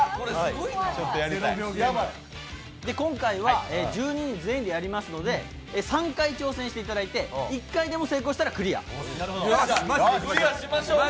今回は１２人全員でやりますので、３回挑戦していただいて１回でも成功したらクリア。